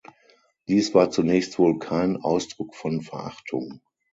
Dies war zunächst wohl kein Ausdruck von Verachtung.